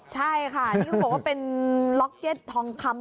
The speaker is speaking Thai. ใช่ค่ะนี่เขาบอกว่าเป็นล็อกเก็ตทองคำ